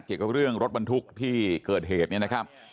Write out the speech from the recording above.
เกี่ยวกับเรื่องรถบรรทุกที่เกิดเหตุเนี่ยนะครับ